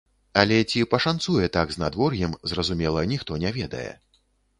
Але ці пашанцуе так з надвор'ем, зразумела, ніхто не ведае.